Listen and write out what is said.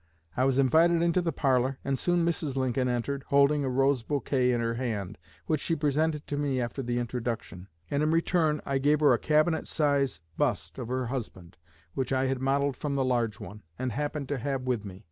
I was invited into the parlor, and soon Mrs. Lincoln entered, holding a rose bouquet in her hand, which she presented to me after the introduction; and in return I gave her a cabinet size bust of her husband, which I had modelled from the large one, and happened to have with me.